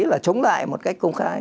là chống lại một cách công khai